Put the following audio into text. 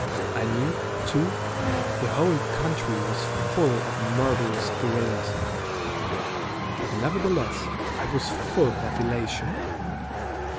I knew, too, the whole country was full of murderous guerrillas. But nevertheless I was full of elation.